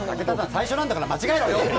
最初なんだから間違えろよ！